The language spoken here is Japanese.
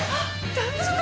大丈夫？